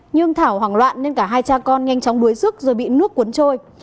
nhưng thảo hoảng loạn nên cả hai cha con nhanh chóng đuối sức rồi bị nước cuốn trôi